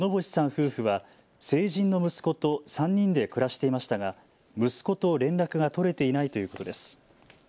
夫婦は成人の息子と３人で暮らしていましたが息子と連絡が取れていないということです。